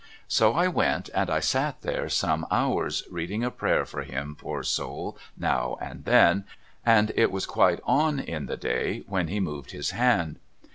So I went, and I sat there some hours, reading a prayer for him poor soul now and then, and it was quite on in the day when he moved his hand.